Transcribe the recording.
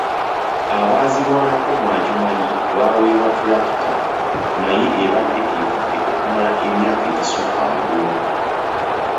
Abaazirwanako mu Adjumani baaweebwa tulakita naye ebadde etudde okumala emyaka egisukka mu gumu.